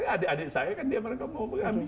adik adik saya kan dia mereka mau mengambil